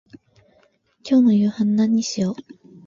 今日の夕飯何にしよう。